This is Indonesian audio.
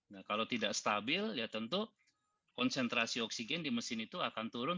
nah kalau tidak stabil ya tentu konsentrasi oksigen di mesin itu akan turun